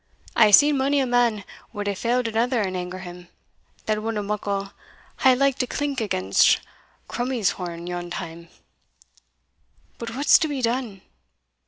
I hae seen mony a man wad hae felled another an anger him, that wadna muckle hae liked a clink against Crummies horn yon time. But what's to be done?"